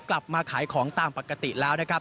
กลับมาขายของตามปกติแล้วนะครับ